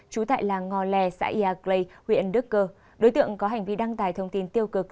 trú tại làng ngò lè xã iagley huyện đức cơ đối tượng có hành vi đăng tải thông tin tiêu cực